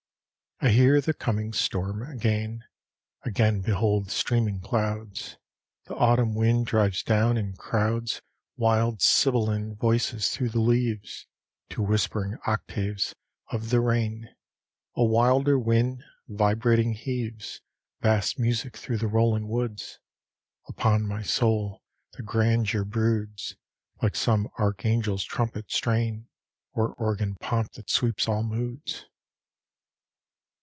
I hear the coming storm again; Again behold the streaming clouds; The autumn wind drives down and crowds Wild sibylline voices through the leaves, To whispering octaves of the rain: A wilder wind, vibrating, heaves Vast music through the rolling woods Upon my soul the grandeur broods, Like some archangel's trumpet strain, Or organ pomp that sweeps all moods.